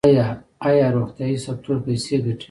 آیا روغتیايي سکتور پیسې ګټي؟